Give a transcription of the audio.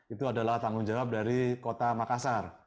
itu adalah tanggung jawab dari kota makassar